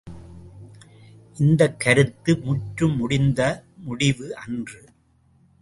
இந்தக் கருத்து முற்ற முடிந்த முடிவு அன்று.